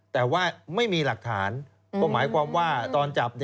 แต่ว่าไม่มีหลักฐานก็หมายความว่าตอนจับ